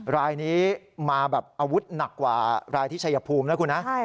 รายนี้มาแบบอาวุธหนักกว่ารายที่ชัยภูมินะคุณนะ